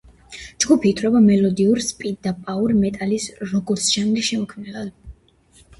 ჯგუფი ითვლება მელოდიური სპიდ და პაუერ მეტალის, როგორც ჟანრის შემქმნელად.